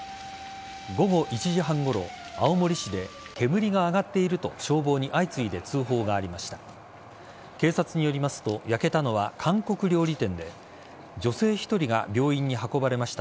午後１時半ごろ、青森市で煙が上がっていると消防に相次いで通報がありました。